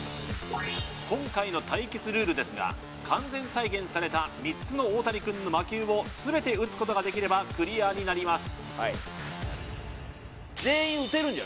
今回の対決ルールですが完全再現された３つのオオタニくんの魔球を全て打つことができればクリアになります